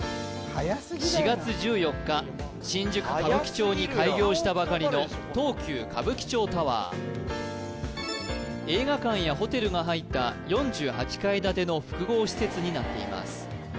４月１４日新宿歌舞伎町に開業したばかりの東急歌舞伎町タワー映画館やホテルが入った４８階建ての複合施設になっています